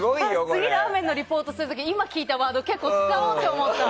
次ラーメンのリポートする時今使ってたワード結構使おうと思った。